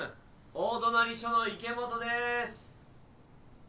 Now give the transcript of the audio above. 大隣署の池本です！